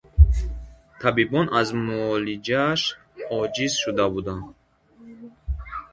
Табибон аз муолиҷааш оҷиз шуда буданд.